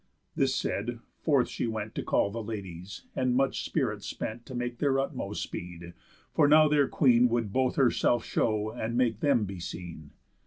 This said, forth she went To call the ladies, and much spirit spent To make their utmost speed, for now their Queen Would both herself show, and make them be seen.